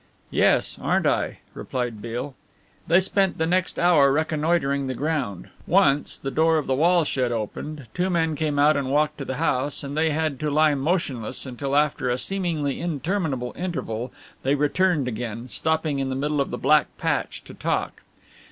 "Yes, aren't I?" replied Beale. They spent the next hour reconnoitring the ground. Once the door of the wall shed opened, two men came out and walked to the house, and they had to lie motionless until after a seemingly interminable interval they returned again, stopping in the middle of the black patch to talk.